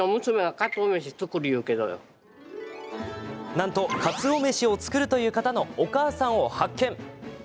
なんとかつお飯を作るという方のお母さんを発見。